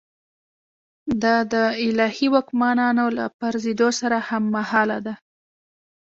دا د الهي واکمنانو له پرځېدو سره هممهاله ده.